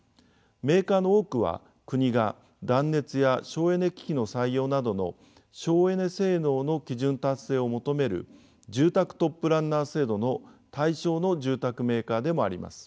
メーカーの多くは国が断熱や省エネ機器の採用などの省エネ性能の基準達成を求める「住宅トップランナー制度」の対象の住宅メーカーでもあります。